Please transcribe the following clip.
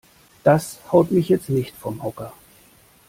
Das haut mich jetzt nicht vom Hocker.